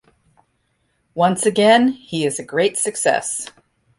Once again, he is a great success.